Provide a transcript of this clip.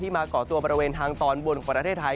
ที่มาเกาะตัวบริเวณทางตอนบนประเทศไทย